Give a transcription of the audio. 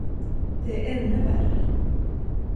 Det är ännu värre.